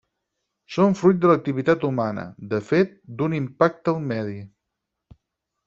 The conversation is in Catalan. Són fruit de l'activitat humana, de fet d'un impacte al medi.